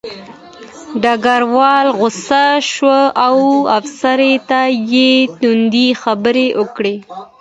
ډګروال غوسه شو او افسر ته یې تندې خبرې وکړې